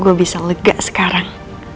gue bisa lega sekarang